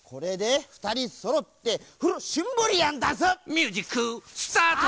ミュージックスタート！